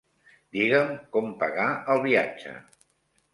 Digue'm com pagar el viatge.